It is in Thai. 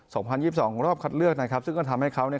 สองพันยี่สิบสองรอบคัดเลือกนะครับซึ่งก็ทำให้เขาเนี่ย